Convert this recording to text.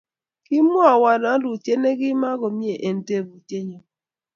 Kimwai won wlutyet ne kima komnye eng teputyet nyun